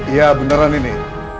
iya beneran ini